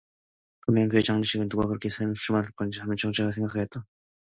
반면에 그의 장래까지 누가 이렇게 신을 삼아 줄 것인가 하며 첫째를 생각하였다.